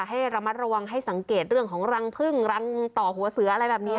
ให้ระมัดระวังให้สังเกตเรื่องของรังพึ่งรังต่อหัวเสืออะไรแบบนี้